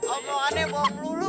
omongannya bohong dulu